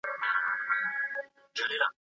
د روڼ آندۍ د عصر فيلسوفان مهم وو.